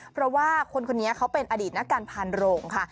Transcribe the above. เพราะว่าคนคนนี้เขาเป็นอดีตนักการพานโรงค่ะ